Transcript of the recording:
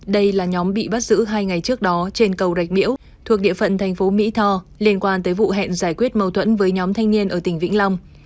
đây là nhóm bị bắt giữ hai ngày trước đó trên cầu rạch miễu thuộc địa phận thành phố mỹ tho liên quan tới vụ hẹn giải quyết mâu thuẫn với nhóm thanh niên ở tỉnh vĩnh long